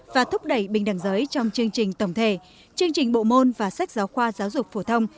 và thúc đẩy bình đẳng giới trong chương trình tổng thể chương trình bộ môn và sách giáo khoa giáo dục phổ thông